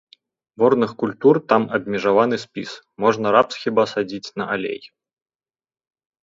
Ворных культур там абмежаваны спіс, можна рапс хіба садзіць на алей.